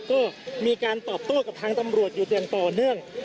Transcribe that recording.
ก็มีการตอบโต้กับทางตำรวจอยู่อย่างต่อเนื่อง